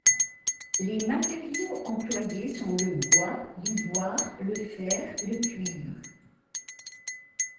Les matériaux employés sont le bois, l'ivoire, le fer, le cuivre...